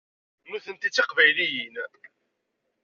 Nutenti d tiqbayliyin.